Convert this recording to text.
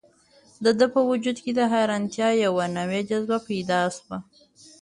د ده په وجود کې د حیرانتیا یوه نوې جذبه پیدا شوه.